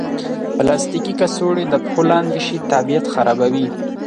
پلاستيکي کڅوړې د پښو لاندې شي، طبیعت خرابوي.